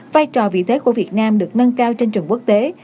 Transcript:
vai trò vị thế của việt nam được nâng cao trên trường quốc tế